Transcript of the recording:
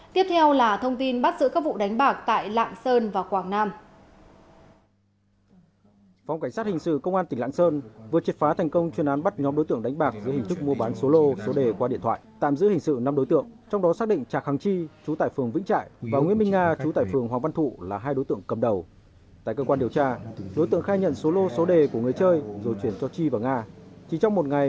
tiếp theo là thông tin bắt giữ các vụ đánh bạc tại lạng sơn và quảng nam